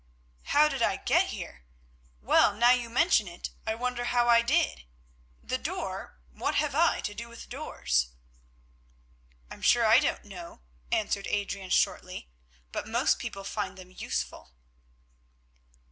"How did I get here? Well, now you mention it, I wonder how I did. The door—what have I to do with doors?" "I am sure I don't know," answered Adrian shortly, "but most people find them useful."